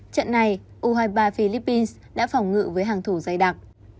trận này u hai mươi ba philippines đã phòng ngự với hàng thủ dày đặc